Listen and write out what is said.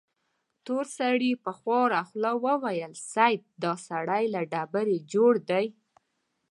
تور سړي په خواره خوله وويل: صيب! دا سړی له ډبرې جوړ دی.